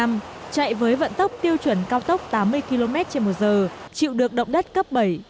chạy với vận tốc tiêu chuẩn cao tốc tám mươi km trên một giờ chịu được động đất cấp bảy